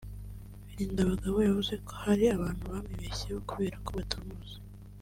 Birindabagabo yavuze ko hari abantu bamwibeshyeho kubera ko batamuzi